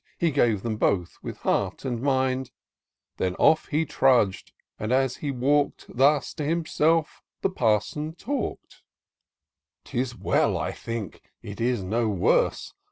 He gave them both with heart and mind ; Then off he trudg'd, and, as he walk'd. Thus to himself the Parson talk'd :" 'Tis well, I think, it is no worse.